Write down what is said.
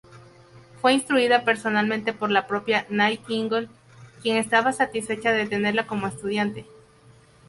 Fue instruida personalmente por la propia Nightingale, quien estaba satisfecha de tenerla como estudiante.